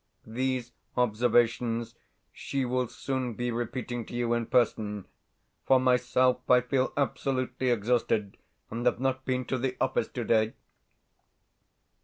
These observations she will soon be repeating to you in person. For myself, I feel absolutely exhausted, and have not been to the office today...